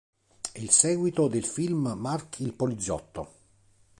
È il seguito del film "Mark il poliziotto".